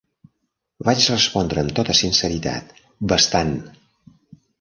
Vaig respondre amb tota sinceritat: "Bastant".